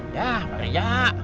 yah pak ria